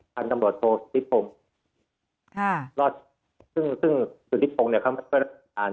บรรยาสมรวจโทษธิปรงซึ่งธิปรงเขาไม่ช่วยรับการ